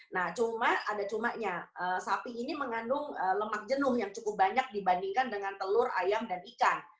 nah cuma ada cumanya sapi ini mengandung lemak jenuh yang cukup banyak dibandingkan dengan telur ayam dan ikan